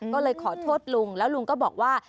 ก็เลยขอโทษลุงแล้วลุงก็บอกว่า